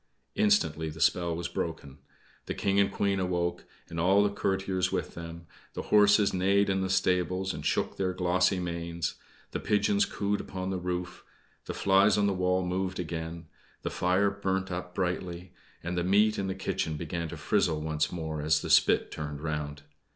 Instantly the spell was broken. The King and Queen awoke, and all the courtiers with them; the horses neighed in the stables, and shook their glossy manes; the pigeons cooed upon the roof; the flies on the wall moved again; the fire burnt up brightly; and the meat in the kitchen began to frizzle once more as the spit turned round.